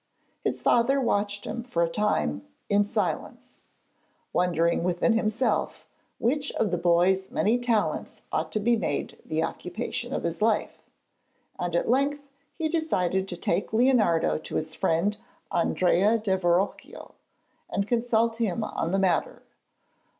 His father watched him for a time in silence, wondering within himself which of the boy's many talents ought to be made the occupation of his life, and at length he decided to take Leonardo to his friend Andrea del Verrocchio, and consult him on the matter.